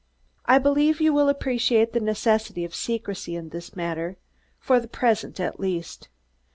I believe you will appreciate the necessity of secrecy in this matter, for the present at least.